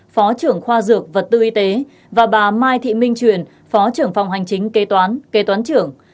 phó trưởng khoa dược vật tư y tế và bà mai thị minh truyền phó trưởng phòng hành chính kế toán kê toán trưởng